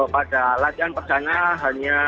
pada latihan pertama hanya